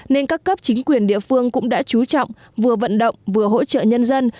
nên các cấp chính quyền địa phương cũng đã chú trọng vừa vận động vừa hỗ trợ nhân dân